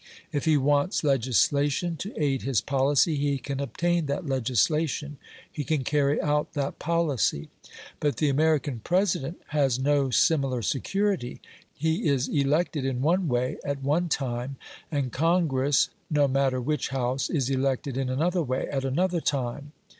If he wants legislation to aid his policy he can obtain that legislation; he can carry out that policy. But the American President has no similar security. He is elected in one way, at one time, and Congress (no matter which House) is elected in another way, at another time.